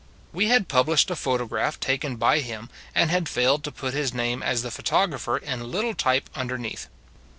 We had published a photograph taken by him, and had failed to put his name as the photographer in little type under neath.